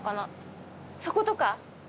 そことか？